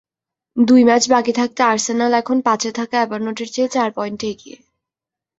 দুই ম্যাচ বাকি থাকতে আর্সেনাল এখন পাঁচে থাকাএভারটনের চেয়ে চার পয়েন্টে এগিয়ে।